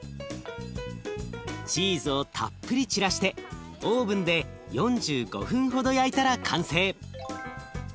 チーズをたっぷり散らしてオーブンで４５分ほど焼いたら完成。